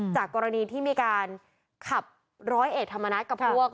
จากกรณีที่มีการขับร้อยเอกธรรมนัฐกับพวก